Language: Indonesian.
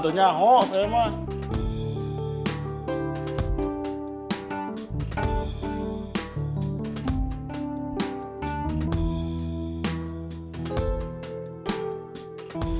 ternyata hot ya man